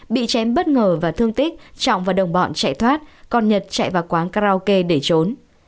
bị chém bất ngờ và thương tích trọng và đồng bọn chạy thoát còn nhật chạy vào quán karaoke để trốn